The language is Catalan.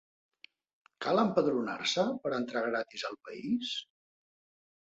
Cal empadronar-se per entrar gratis al país?